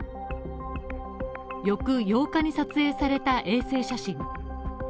翌８日に撮影された衛星写真。